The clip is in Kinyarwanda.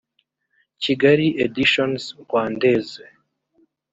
kigali editions rwandaises